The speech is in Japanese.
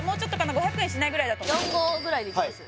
５００円しないぐらいだと思います４５０ぐらいでいきます？